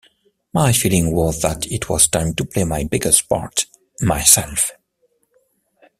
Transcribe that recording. My feeling was that it was time to play my biggest part - myself!